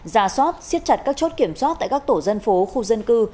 giả soát xiết chặt các chốt kiểm soát tại các tổ dân phố khu dân cư